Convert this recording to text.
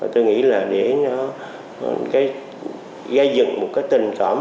tôi nghĩ là để nó gây dựng một cái tình cảm